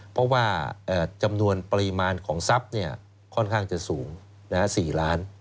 เพราะว่าจำนวนปริมาณของทรัพย์ค่อนข้างจะสูง๔ล้าน